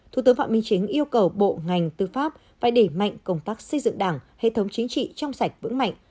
thủ tướng phạm minh chính yêu cầu bộ ngành tư pháp phải đẩy mạnh công tác xây dựng đảng hệ thống chính trị trong sạch vững mạnh